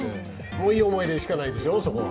もう、いい思い出しかないですよ、そこは。